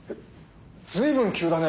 随分急だね。